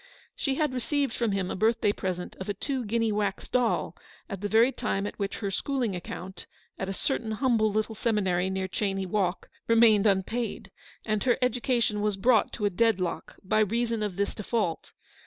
She had received from him a birthday present of a two guinea wax doll, at the very time at which her schooling account, at a certain humble little seminary near Cheyne Walk, remained unpaid, and her education was brought to a dead lock by reason of this default.